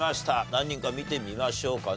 何人か見てみましょうかね。